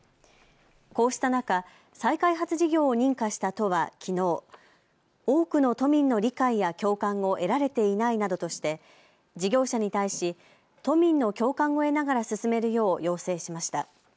こうした中、再開発事業を認可した都はきのう多くの都民の理解や共感を得られていないなどとして事業者に対し都民の共感を得ながら進めるよう要請しました。